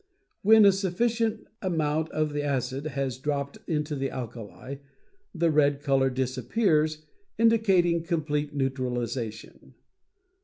When a sufficient amount of the acid has dropped into the alkali, the red color disappears, indicating complete neutralization.